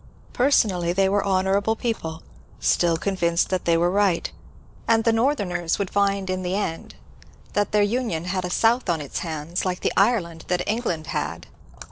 Personally they were honourable people, still convinced that they were right, and the North erners would find in the end Uiat their Union had a South on its hands like the Ireland that England had.